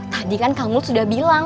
tadi kan kamu sudah bilang